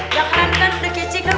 yang kan kan udah kece kan